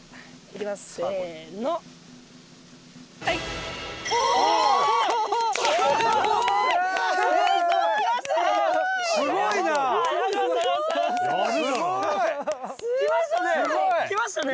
きましたね！